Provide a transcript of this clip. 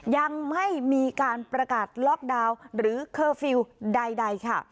ยังไม่มีการประกาศล็อกดาวน์หรือเคอร์ฟิลล์ใดค่ะ